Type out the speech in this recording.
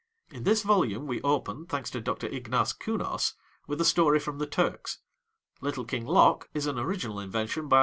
In this volume we open, thanks to Dr. Ignaz Künos, with a story from the Turks. 'Little King Loc' is an original invention by M.